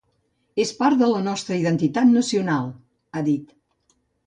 És part de la nostra identitat nacional, ha dit.